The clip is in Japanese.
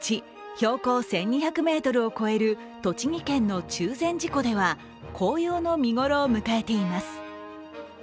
標高１２００ｍを越える栃木県の中禅寺湖では紅葉の見頃を迎えています。